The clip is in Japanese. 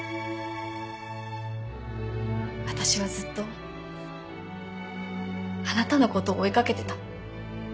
私はずっとあなたのことを追いかけてた。